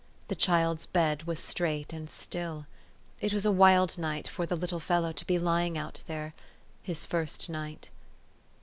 The child's bed was straight and still. It was a wild night for the little fellow to be lying out there his first night.